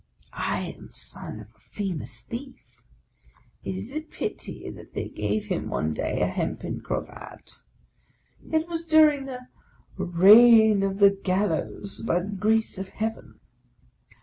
I am sen of a famous thief; it is a pity that they gave him one day a hempen cravat ; it was during the ' reign of the Gal lows by the grace of Heaven.'